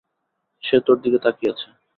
সে তোর দিকে তাকিয়ে আছে।